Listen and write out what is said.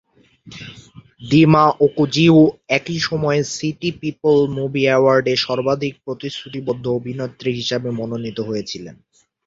দিমা-ওকোজিও একই সময়ে City People Movie অ্যাওয়ার্ডে সর্বাধিক প্রতিশ্রুতিবদ্ধ অভিনেত্রী হিসেবে মনোনীত হয়েছিলেন।